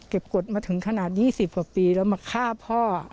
เก็บกฎมาถึงขนาด๒๐บาทปีแล้วมาฆ่าพ่อ